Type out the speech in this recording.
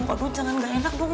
aduh jangan gak enak dong